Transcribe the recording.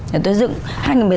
thì tôi dựng